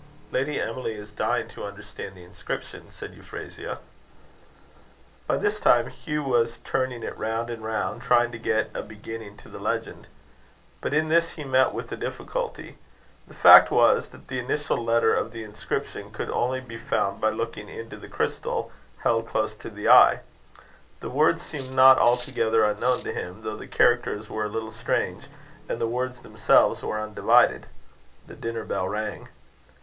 "Lady Emily is dying to understand the inscription," said Euphrasia. By this time Hugh was turning it round and round, trying to get a beginning to the legend. But in this he met with a difficulty. The fact was, that the initial letter of the inscription could only be found by looking into the crystal held close to the eye. The words seemed not altogether unknown to him, though the characters were a little strange, and the words themselves were undivided. The dinner bell rang.